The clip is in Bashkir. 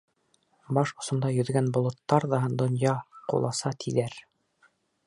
Баш осонда йөҙгән болоттар ҙа Донъя — ҡуласа, тиҙәр.